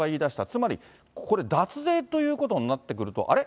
つまりこれ、脱税ということになってくると、あれ？